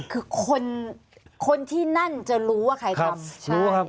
คือคนที่นั่นจะรู้ว่าใครทำ